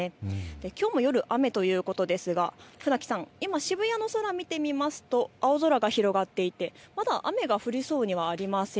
きょうも夜、雨ということですが船木さん、今渋谷の空を見てみますと青空が広がっていてまだ雨が降りそうにはありません。